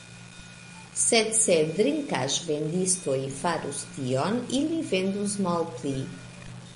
Sed se drinkaĵ-vendistoj farus tion, ili vendus malpli.